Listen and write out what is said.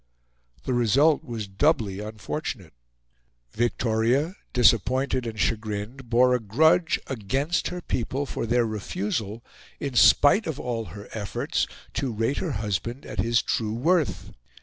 The result was doubly unfortunate. Victoria, disappointed and chagrined, bore a grudge against her people for their refusal, in spite of all her efforts, to rate her husband at his true worth.